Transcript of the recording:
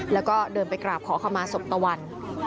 แล้วก็เดินไปกราบขอขมาศพตะวัน